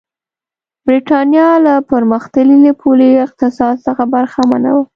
برېټانیا له پرمختللي پولي اقتصاد څخه برخمنه وه.